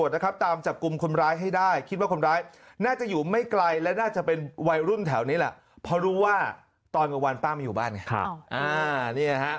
เจ๋อใจมากที่จุดคนร้ายคโมยไป